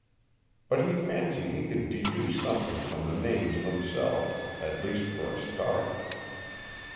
But he fancied he could deduce something from the names themselves, at least, for a start.